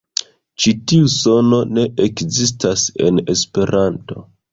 Ĉi tiu sono ne ekzistas en Esperanto.